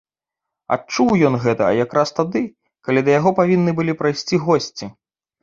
Адчуў ён гэта якраз тады, калі да яго павінны былі прыйсці госці.